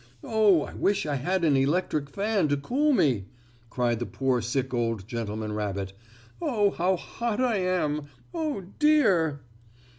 "Oh, I wish I had an electric fan to cool me!" cried the poor sick old gentleman rabbit. "Oh, how hot I am! Oh, dear!"